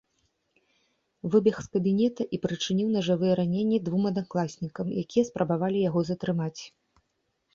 Выбег з кабінета і прычыніў нажавыя раненні двум аднакласнікам, якія спрабавалі яго затрымаць.